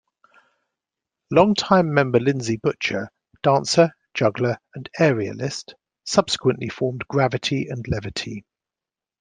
Longtime member Lindsey Butcher, dancer, juggler and aerialist subsequently formed Gravity and Levity.